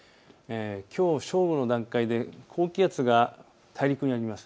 きょう正午の段階で高気圧が大陸にあります。